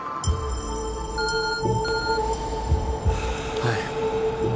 はい